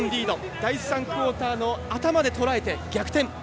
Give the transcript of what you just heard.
第３クオーターの頭でとらえて逆転！